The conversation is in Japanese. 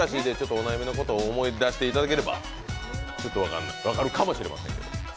お悩みのこと、思い出していただければ分かるかもしれません。